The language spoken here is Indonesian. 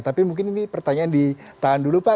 tapi mungkin ini pertanyaan ditahan dulu pak